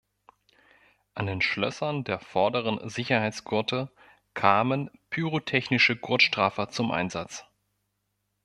An den Schlössern der vorderen Sicherheitsgurte kamen pyrotechnische Gurtstraffer zum Einsatz.